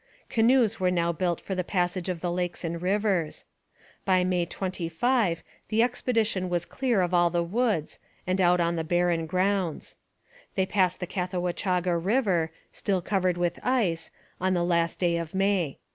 Canoes were now built for the passage of the lakes and rivers. By May 25 the expedition was clear of all the woods and out on the barren grounds. They passed the Cathawachaga river, still covered with ice, on the last day of May.